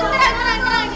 terang terang terang